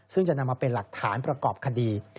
ซึ่งจะนำมาเป็นหลักฐานประกอบคดี